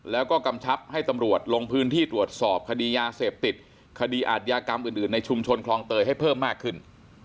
แล้วก็กำชับให้ตำรวจลงพื้นที่ตรวจสอบคดียาเสพติดคดีอาทยากรรมอื่นในชุมชนคลองเตยให้เพิ่มมากขึ้น